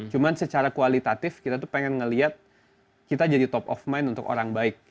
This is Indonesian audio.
cuma secara kualitatif kita tuh pengen ngeliat kita jadi top of mind untuk orang baik